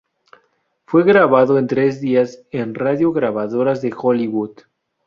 Fue grabado en tres días en Radio Grabadoras de Hollywood.